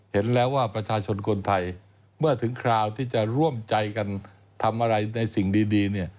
เห็นแล้วว่าประชาชนคนไทยเมื่อถึงคราวที่จะร่วมใจกันทำอะไรในสิ่งดีเนี่ย